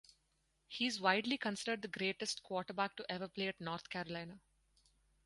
He is widely considered the greatest quarterback to ever play at North Carolina.